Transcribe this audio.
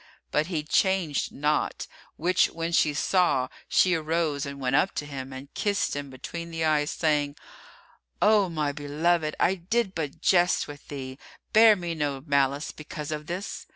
But he changed not; which when she saw, she arose and went up to him and kissed him between the eyes, saying, "O my beloved, I did but jest with thee; bear me no malice because of this."